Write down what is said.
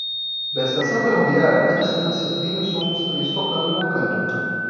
Da estação ferroviária, à distância, vinha o som dos trens tocando e roncando.